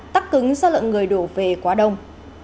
tắc cứng do lượng người đổ về quá đông